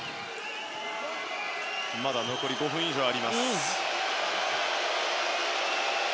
まだ残り５分以上あります。